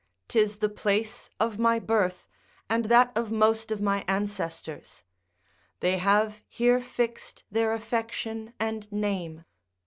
'tis the place of my birth, and that of most of my ancestors; they have here fixed their affection and name.